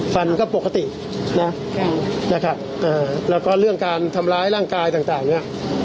ฟันก็ปกตินะนะครับแล้วก็เรื่องการทำร้ายร่างกายต่างต่างเนี้ย